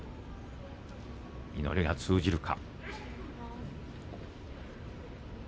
祈りが通じるか。